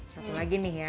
satu lagi nih ya